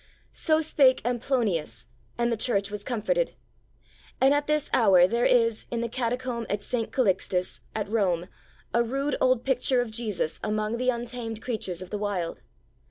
So spake Amplonius, and the Church was comforted. And at this hour there is, in the catacomb at St. Callixtus, at Rome, a rude old picture of Jesus among the untamed creatures of the Wild.